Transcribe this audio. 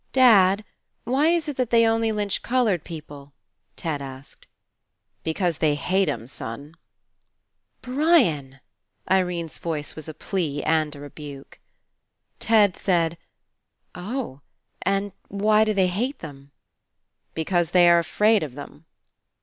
"Dad, why is it that they only lynch coloured people?" Ted asked. "Because they hate 'em, son." "Brian !" Irene's voice was a plea and a rebuke. Ted said: "Oh! And why do they hate em "Because they are afraid of them."